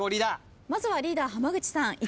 まずはリーダー浜口さん。